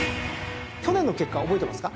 去年の結果覚えてますか？